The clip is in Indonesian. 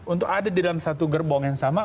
untuk ada di dalam satu gerbong yang sama